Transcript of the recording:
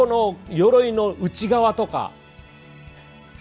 よろいの内側とか。